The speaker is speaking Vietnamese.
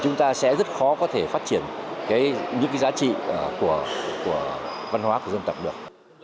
chúng ta sẽ rất khó có thể phát triển những cái giá trị của văn hóa của dân tộc được